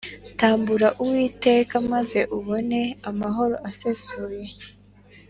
tambura uwiteka maze ubone amahoro asesuye